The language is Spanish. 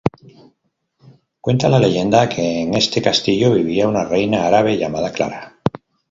Cuenta la leyenda que en este castillo vivía una reina árabe llamada Clara.